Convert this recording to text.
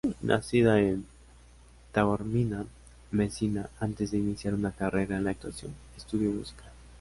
Nacida en Taormina, Messina, antes de iniciar una carrera en la actuación estudió música.